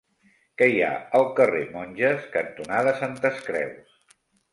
Què hi ha al carrer Monges cantonada Santes Creus?